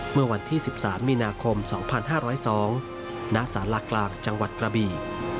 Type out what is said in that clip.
เมื่อวันที่๑๓มีนาคม๒๕๐๒ณสารากลางจังหวัดกระบี